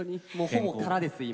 ほぼ空です今。